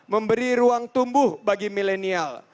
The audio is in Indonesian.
memberi ruang tumbuh bagi milenial